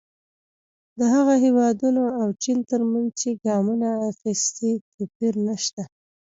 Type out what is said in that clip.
د هغو هېوادونو او چین ترمنځ چې ګامونه اخیستي توپیر نه شته.